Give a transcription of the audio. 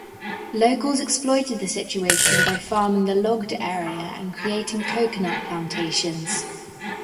Locals exploited the situation by farming the logged area and creating coconut plantations.